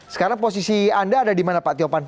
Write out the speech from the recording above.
sekarang posisi anda ada dimana pak tiopan